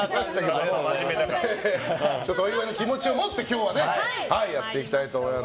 お祝いの気持ちを持って今日はやっていきたいと思います。